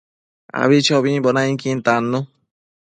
Abichobimbo nainquin tannu